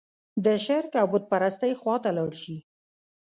د شرک او بوت پرستۍ خوا ته لاړ شي.